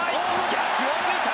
逆を突いた。